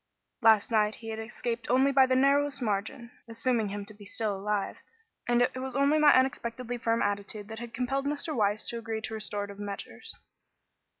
Last night he had escaped only by the narrowest margin assuming him to be still alive and it was only my unexpectedly firm attitude that had compelled Mr. Weiss to agree to restorative measures.